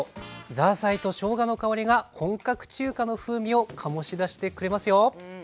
ザーサイとしょうがの香りが本格中華の風味を醸し出してくれますよ。